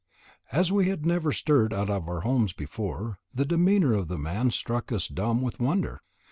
As we had never stirred out of our homes before, the demeanour of the man struck us dumb with wonder.